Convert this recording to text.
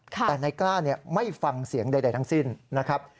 แต่นายกล้าไม่ฟังเสียงใดทั้งสิ้นนะครับ